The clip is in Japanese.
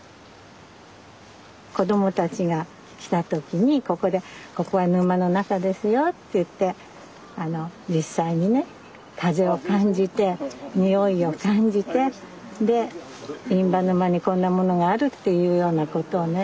子供たちが来た時にここでここは沼の中ですよっていってあの実際にね風を感じて匂いを感じてで印旛沼にこんなものがあるっていうようなことをね